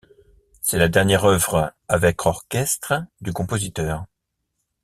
C'est la dernière œuvre avec orchestre du compositeur.